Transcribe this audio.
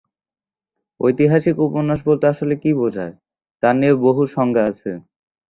ঐতিহাসিক উপন্যাস বলতে আসলে কী বোঝায় তা নিয়ে বহু সংজ্ঞা আছে।